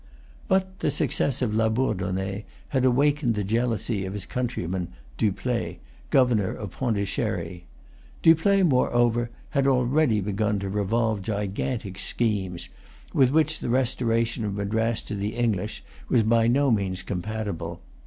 But the success of Labourdonnais had awakened the jealousy of his countryman, Dupleix, governor of Pondicherry. Dupleix, moreover, had already begun to revolve gigantic schemes, with which the restoration of Madras to the English was by no means compatible.